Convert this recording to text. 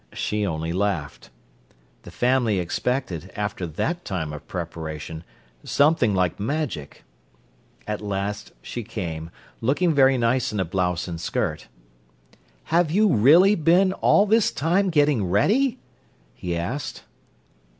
She only laughed. The family expected, after that time of preparation, something like magic. At last she came, looking very nice in a blouse and skirt. "Have you really been all this time getting ready?" he asked.